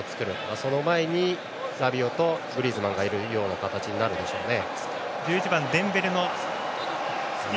その前にラビオとグリーズマンがいるという形になるでしょうね。